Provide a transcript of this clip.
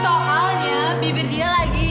soalnya bibir dia lagi